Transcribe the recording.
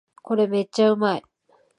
これめっちゃうまい